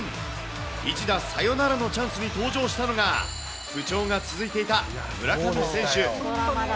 一打サヨナラのチャンスに登場したのが、不調が続いていた村上選手。